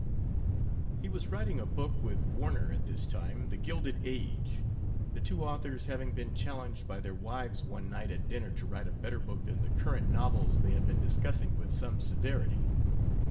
He was writing a book with Warner at this time The Gilded Age the two authors having been challenged by their wives one night at dinner to write a better book than the current novels they had been discussing with some severity.